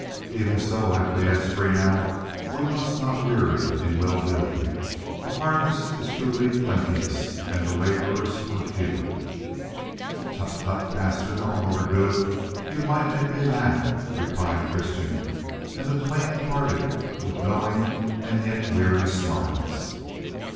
"Even so," acquiesced Greenough. "We must not weary in well doing. The harvest is truly plenteous and the laborers are few." "Tut, tut, Pastor. Don't overdo it. You might make me larf," replied Christian; and the twain parted with knowing and yet weary smiles.